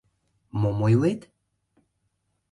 — Мом ойлет?